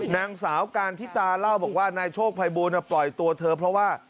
นางสาวการทิตาเล่าบอกว่านายโชคภัยบูลปล่อยตัวเธอเพราะว่า